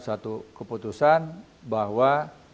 satu keputusan bahwa